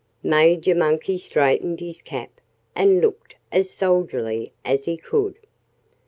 Major Monkey straightened his cap and looked as soldierly as he could.